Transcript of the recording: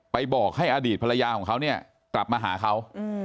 บอกให้อดีตภรรยาของเขาเนี่ยกลับมาหาเขา